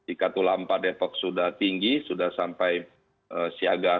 ikat tulang empat defok sudah tinggi sudah sampai siaga satu